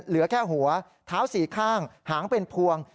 เหลือแค่หัวเท้า๔ข้างหางเป็นพวง